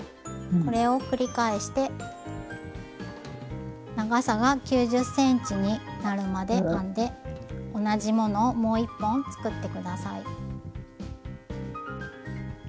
これを繰り返して長さが９０ｃｍになるまで編んで同じものをもう１本作って下さい。